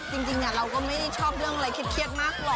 จริงเราก็ไม่ได้ชอบเรื่องอะไรเครียดมากหรอก